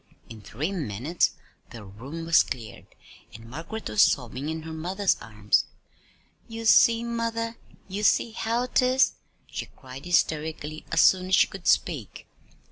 In three minutes the room was cleared, and Margaret was sobbing in her mother's arms. "You see, mother, you see how 'tis," she cried hysterically, as soon as she could speak.